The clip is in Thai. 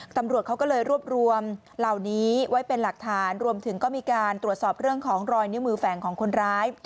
ตำรวจเขาก็เลยรวบรวมเหล่านี้ไว้เป็นหลักฐานรวมถึงก็มีการตรวจสอบเรื่องของรอยนิ้วมือแฝงของคนร้าย